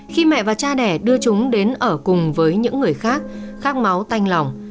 khi mẹ và cha đẻ đưa chúng đến ở cùng với những người khác khắc máu tanh lòng